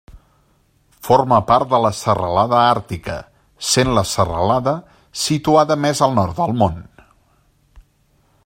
Forma part de la Serralada Àrtica, sent la serralada situada més al nord del món.